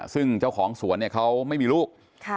ซึ่งเจ้าของสวนเนี่ยเขาไม่มีลูก